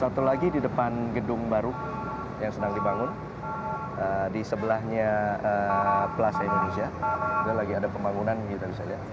satu lagi di depan gedung baru ya cidade bangun di sebelahnya kelas indonesia modalnya lah ada